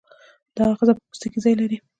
دا آخذه په پوستکي کې ځای لري.